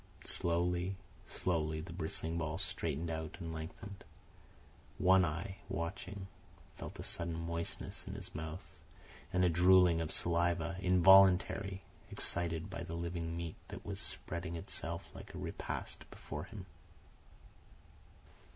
Slowly, slowly, the bristling ball straightened out and lengthened. One Eye watching, felt a sudden moistness in his mouth and a drooling of saliva, involuntary, excited by the living meat that was spreading itself like a repast before him.